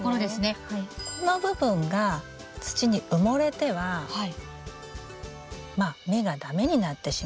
この部分が土に埋もれてはまあ芽が駄目になってしまうんですよ。